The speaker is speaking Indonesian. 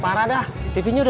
saya dulu bang